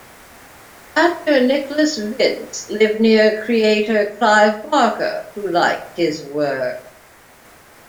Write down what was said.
Actor Nicholas Vince lived near creator Clive Barker, who liked his work.